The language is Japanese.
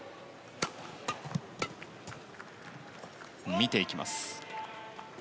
見ていきました。